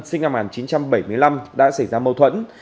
sinh năm một nghìn chín trăm bảy mươi năm đã xảy ra mâu thuẫn